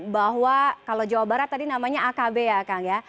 bahwa kalau jawa barat tadi namanya akb ya kang ya